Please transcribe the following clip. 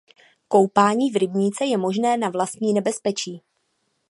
Koupání v rybníce je možné na vlastní nebezpečí.